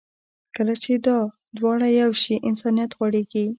کله چې دا دواړه یو شي، انسانیت غوړېږي.